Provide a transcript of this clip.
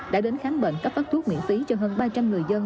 đã đến khám bệnh cấp phát thuốc miễn phí cho hơn ba trăm linh người dân